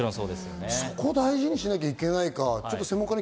そこを大事にしないといけないね。